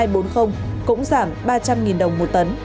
cũng giảm ba trăm linh đồng một tấn